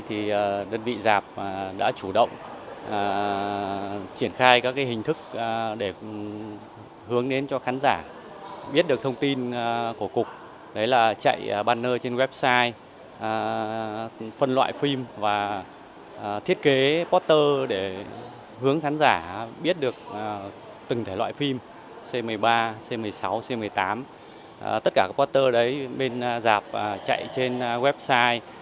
từng thể loại phim c một mươi ba c một mươi sáu c một mươi tám tất cả các quarter đấy bên giạp chạy trên website